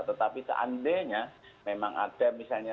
tetapi seandainya memang ada misalnya